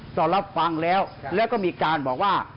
ก็รับฟังแล้วแล้วก็มีการบอกว่า